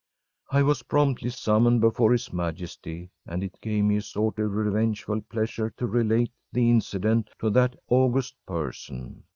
I was promptly summoned before His Majesty, and it gave me a sort of revengeful pleasure to relate the incident to that august person.